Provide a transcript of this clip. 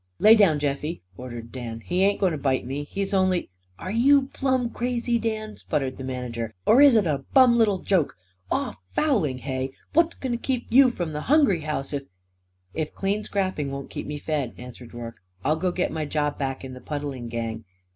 "Lay down, Jeffie!" ordered Dan. "He ain't going to bite me. He's only " "Are you plumb crazy, Dan?" sputtered the manager. "Or is it a bum little joke? Off fouling, hey? What's going to keep you from the hungry house if " "If clean scrapping won't keep me fed," answered Rorke, "I'll go get back my job in the puddling gang.